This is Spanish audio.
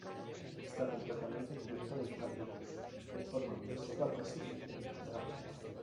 Está completamente cubierto de eucaliptos, que forman una selva casi impenetrable.